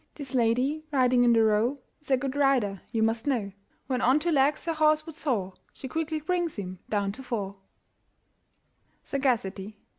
This lady riding in the Row Is a good rider, you must know. When on two legs her horse would soar She quickly brings him down to four. SAGACITY.